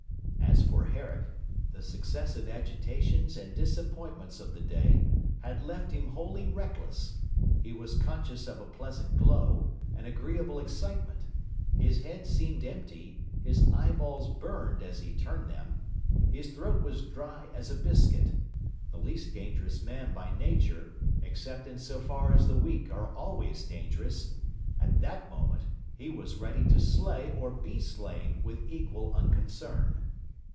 As for Herrick, the successive agitations and disappointments of the day had left him wholly reckless; he was conscious of a pleasant glow, an agreeable excitement; his head seemed empty, his eyeballs burned as he turned them, his throat was dry as a biscuit; the least dangerous man by nature, except in so far as the weak are always dangerous, at that moment he was ready to slay or to be slain with equal unconcern.